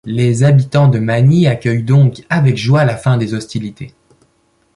Les habitants de Magny accueillent donc avec joie la fin des hostilités.